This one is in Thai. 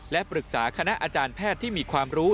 และปรึกษาคณะอาจารย์แพทย์ที่มีความรู้